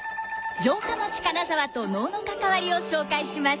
城下町金沢と能の関わりを紹介します。